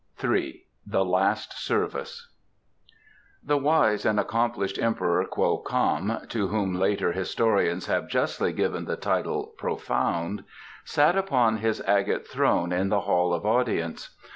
iii. THE LAST SERVICE The wise and accomplished Emperor Kwo Kam (to whom later historians have justly given the title "Profound") sat upon his agate throne in the Hall of Audience.